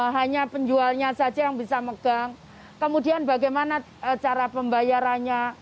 hanya penjualnya saja yang bisa megang kemudian bagaimana cara pembayarannya